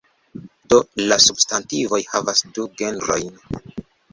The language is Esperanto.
Do la substantivoj havas du genrojn.